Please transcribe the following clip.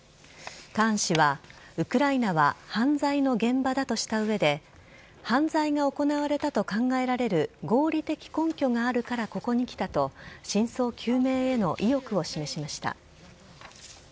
カーン氏はウクライナは犯罪の現場だとした上で犯罪が行われたと考えられる合理的根拠があるからここに来たと真相究明への意欲を示しました。